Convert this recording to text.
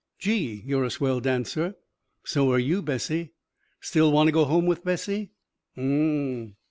"Gee, you're a swell dancer." "So are you, Bessie." "Still wanna go home with Bessie?" "Mmmm."